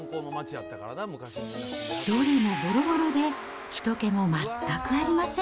どれもぼろぼろで、ひと気も全くありません。